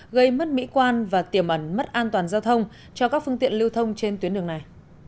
gây mất mỹ quan và tiềm ẩn mất an toàn giao thông cho các phương tiện lưu thông trên tuyến đường này